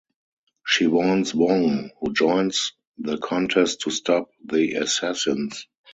She warns Wong, who joins the contest to stop the assassins.